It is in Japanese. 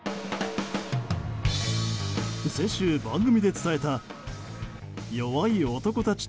先週、番組で伝えた「弱い男たち」